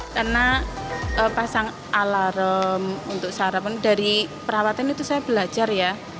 karena pasang alarm untuk sarapan dari perawatan itu saya belajar ya